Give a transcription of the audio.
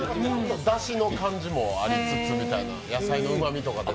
だしの感じもありつつみたいな野菜のうまみも。